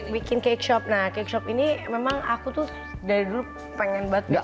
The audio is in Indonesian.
bikin cake shop nah cake shop ini memang aku tuh dari dulu pengen banget